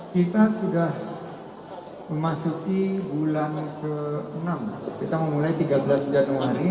kita sudah memasuki bulan ke enam kita memulai tiga belas januari